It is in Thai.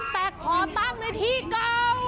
แต่ขอตั้งในที่เก่า